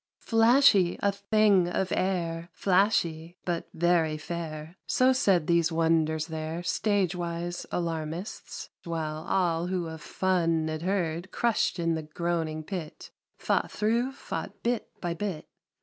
"Flashy ! a thing of air ! Flashy ! but very fair !" So said these wonders there, Stage wise alarmists ! while All who of fun'd heard, Crushed in the groaning pit. Fought thro', fought bit by bit